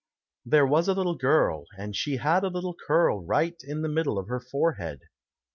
There was a little girl, And she had a little curl Right in the middle of her forehead.